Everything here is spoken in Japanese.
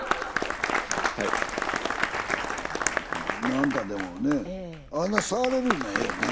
何かでもねあんな触れるいうのええよね。